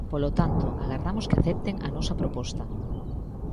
Polo tanto, agardamos que acepten a nosa proposta.